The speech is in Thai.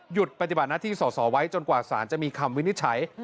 ปฏิบัติหน้าที่สอสอไว้จนกว่าสารจะมีคำวินิจฉัย